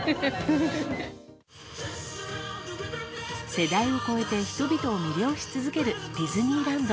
世代を超えて人々を魅了し続けるディズニーランド。